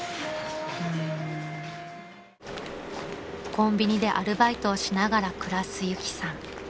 ［コンビニでアルバイトをしながら暮らすユキさん］